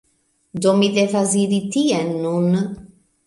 Do mi devas iri tien nun.